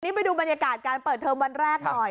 ไปดูบรรยากาศการเปิดเทอมวันแรกหน่อย